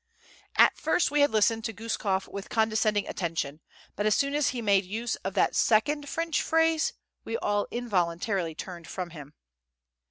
At first we had listened to Guskof with condescending attention; but as soon as he made use of that second French phrase, we all involuntarily turned from him.